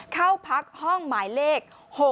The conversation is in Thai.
เข้าพักห้องหมายเลข๖๖